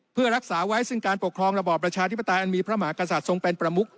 เพื่อรักษาไว้ซึ่งการปกครองระบอบประชาธิปไตยอันมีพระมหากษัตริย์ทรงเป็นประมุก